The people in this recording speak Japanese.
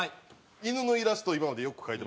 犬のイラスト今までよく描いてますね。